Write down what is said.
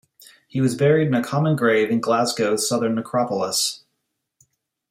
He was buried in a common grave in Glasgow's Southern Necropolis.